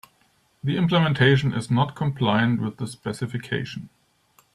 The implementation is not compliant with the specification.